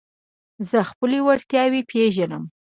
زه خپلي وړتیاوي پېژنم.